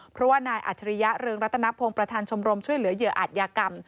เพราะว่านายอัจฉริยะเรืองรัตนพงศ์ประธานชมรมช่วยเหลือเหยื่ออาจยากรรม